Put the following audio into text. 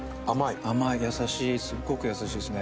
優しいすごく優しいですね。